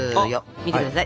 見て下さい。